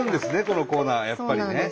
このコーナーはやっぱりね。